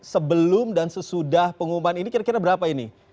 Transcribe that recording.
sebelum dan sesudah pengumuman ini kira kira berapa ini